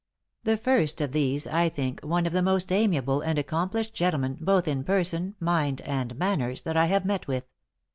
The first of these I think one of the most amiable and accomplished gentlemen, both in person, mind, and manners, that I have met with.